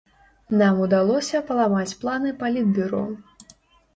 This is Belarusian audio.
Нам удалося паламаць планы палітбюро.